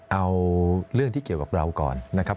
เอาเรื่องที่เกี่ยวกับเราก่อนนะครับ